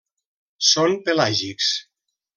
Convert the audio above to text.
Són pelàgics.